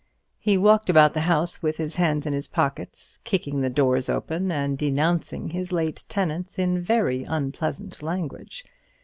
He walked about the house with his hands in his pockets, kicking the doors open, and denouncing his late tenants in very unpleasant language.